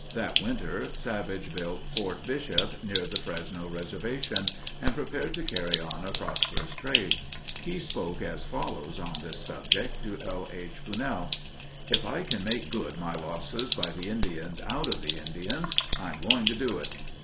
That winter Savage built Fort Bishop, near the Fresno reservation, and prepared to carry on a prosperous trade. He spoke as follows on this subject to L. H. Bunnell: If I can make good my losses by the Indians out of the Indians, I am going to do it.